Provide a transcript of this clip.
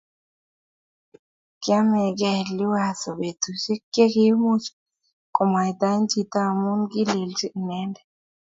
Kiamekei Liwazo betusiek che kiimuch komwaitae chito amu kilelchi inendet